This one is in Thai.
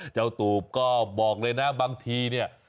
ตูบก็บอกเลยนะบางทีเนี่ย